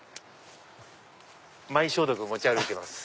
マイ消毒持ち歩いてます。